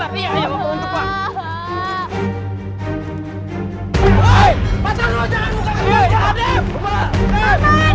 cepetan pada penjepit